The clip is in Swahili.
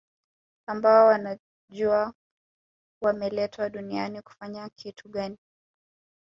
ambao wanajua wameletwa duniani kufanya kitu gani